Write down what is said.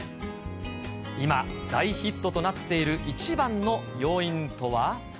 今、大ヒットとなっている一番の要因とは。